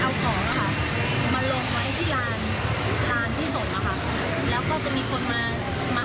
แล้วถามไปถามคนทางหมู่บ้าน